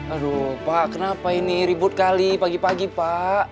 aduh pak kenapa ini ribut kali pagi pagi pak